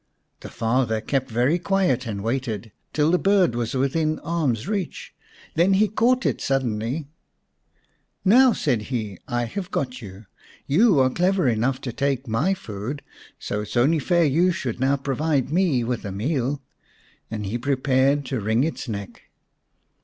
The father kept very quiet and waited till the bird was within arm's reach. Then he caught it suddenly. " Now," said he, " I have got you ! You are clever enough to take my food, so it is only fair 117 The Fairy Bird x you should now provide me with a meal." And he prepared to wring its neck.